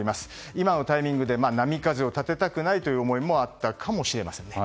今のタイミングで波風を立てたくないという思いもあったかもしれませんね。